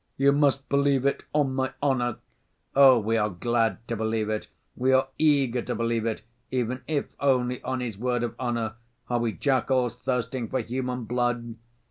'You must believe it on my honor.' Oh, we are glad to believe it, we are eager to believe it, even if only on his word of honor! Are we jackals thirsting for human blood?